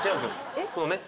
えっ⁉・そうね。